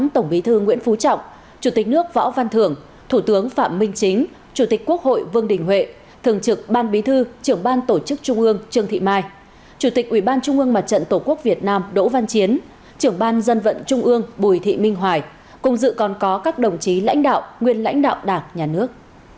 tổng bí thư nguyễn phú trọng chủ tịch nước võ văn thưởng thủ tướng phạm minh chính chủ tịch quốc hội vương đình huệ thường trực ban bí thư trưởng ban tổ chức trung ương trương thị mai chủ tịch ủy ban trung ương mặt trận tổ quốc việt nam đỗ văn chiến trưởng ban dân vận trung ương bùi thị minh hoài cùng dự còn có các đồng chí lãnh đạo nguyên lãnh đạo đảng nhà nước